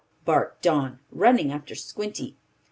barked Don, running after Squinty.